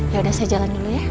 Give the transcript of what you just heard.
ya udah saya jalan dulu ya